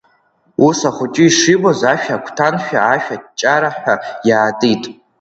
Ус ахәыҷы ишибоз ашә агәҭаншәа ашә аҷараҳәа иаатит.